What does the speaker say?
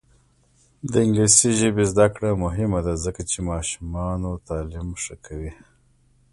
د انګلیسي ژبې زده کړه مهمه ده ځکه چې ماشومانو تعلیم ښه کوي.